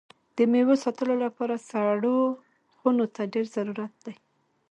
د میوو ساتلو لپاره سړو خونو ته ډېر ضرورت ده.